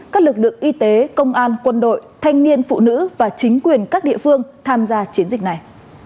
các lực lượng y tế công an quân đội thanh niên phụ nữ và chính quyền các địa phương tham gia chiến dịch này